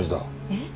えっ？